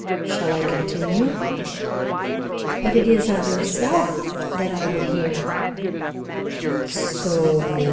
Shall I continue?" "But it is of yourself that I would hear." "So?